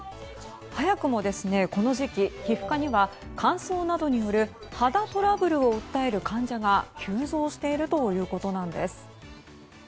早くもこの時期皮膚科には、乾燥などによる肌トラブルを訴える患者が急増しているということです。